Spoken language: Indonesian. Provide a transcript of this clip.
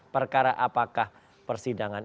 perkara apakah persidangan